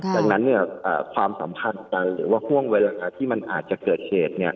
ดังนั้นความสัมพันธ์กันหรือว่าห่วงเวลาที่มันอาจจะเกิดเหตุ